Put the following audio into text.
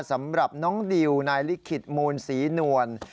สำหรับน้องดิวนายลิขิตมูลศรีนวล